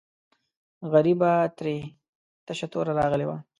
غریبه ترې تشه توره راغلې وه.